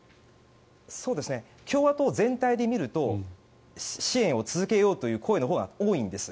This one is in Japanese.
共和党全体で見ると支援を続けようという声のほうが多いんです。